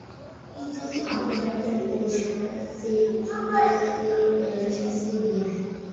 আমাকে একটা পরিষ্কার ফ্রিকুয়েন্সি দিন।